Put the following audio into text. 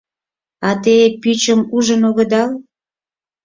— А те пӱчым ужын огыдал?